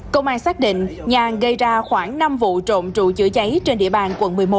công an xác định nhàn gây ra khoảng năm vụ trộm trụ chữa cháy trên địa bàn quận một mươi một